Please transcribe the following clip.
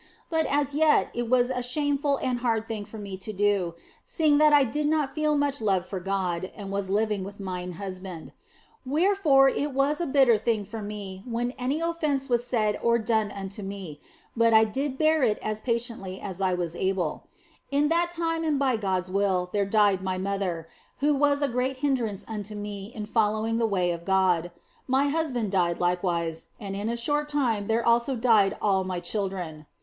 But as yet it was a shameful and a hard thing for me to do, seeing that I did not feel much love for God and was living with mine husband. Wherefore was it a bitter thing for me when any offence was said or done unto me, but I did bear it as patiently as I was able. In that time and by God s will there died my mother, who was a great hindrance unto me in following the way of God ; my husband died likewise, and in a short time there also died all my chil dren.